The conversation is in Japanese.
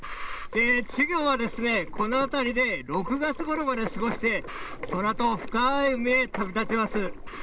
稚魚はこの辺りで６月ごろまで過ごして、そのあと深い海へと旅立ちます。